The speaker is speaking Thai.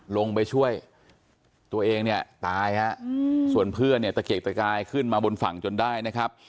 ลงไปช่วยตัวเองตายครับส่วนเพื่อนตะเกกตะกายขึ้นมาบนฝั่งจนได้นะครับ